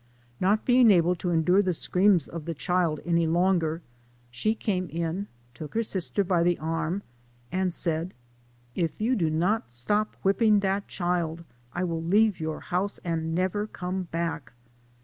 Not being able to endure, the screams of the child any longer, she came in, took her sister by the arm, and said, " If you do not stop whipping that child, I will leave your house, and never come back